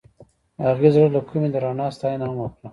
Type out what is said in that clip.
هغې د زړه له کومې د رڼا ستاینه هم وکړه.